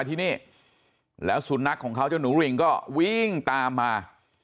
ที่นี่แล้วสุนัขของเขาเจ้าหนูริงก็วิ่งตามมา